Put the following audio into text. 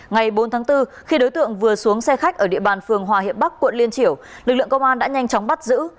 ngày bốn tháng bốn khi đối tượng vừa xuống xe khách ở địa bàn phường hòa hiệp bắc quận liên triểu lực lượng công an đã nhanh chóng bắt giữ